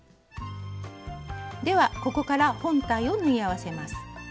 ではここから本体を縫い合わせます。